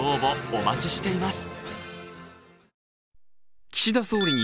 お待ちしています！